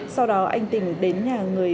sau đó anh tình đến nhà người